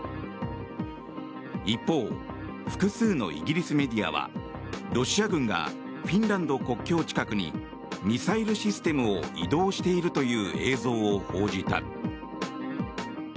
一方、複数のイギリスメディアはロシア軍がフィンランド国境近くにミサイルシステムを移動しているという映像を報じた。